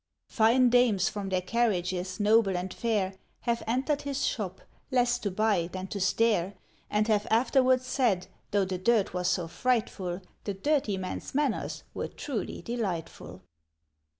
Fine dames from their carriages, noble and fair, Have entered his shop, less to buy than to stare; And have afterwards said, though the dirt was so frightful, The Dirty Man's manners were truly delightful.